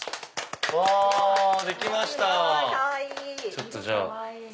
ちょっとじゃあ。